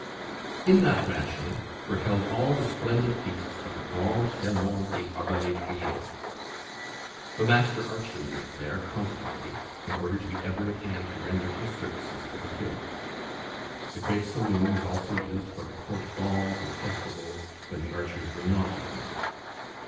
In that mansion were held all the splendid feasts of the Grand Serment des Arbaletriers. The master archer lived there constantly, in order to be ever at hand to render his services to the guild. The great saloon was also used for the court balls and festivals, when the archers were not admitted.